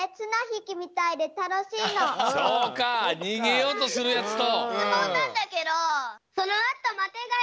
そうかにげようとするやつと。